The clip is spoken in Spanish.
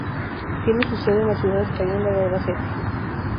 Tiene su sede en la ciudad española de Albacete.